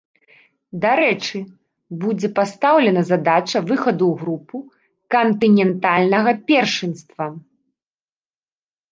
Дарэчы, будзе пастаўлена задача выхаду ў групу кантынентальнага першынства.